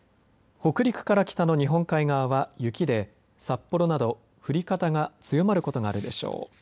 北陸から北の日本海側は雪で札幌など降り方が強まることがあるでしょう。